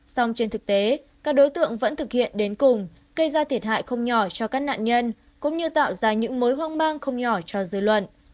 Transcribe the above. xong trên thực tế các đối tượng vẫn thực hiện đến cùng gây ra thiệt hại không nhỏ cho các nạn nhân cũng như tạo ra những mối hoang mang không nhỏ cho dư luận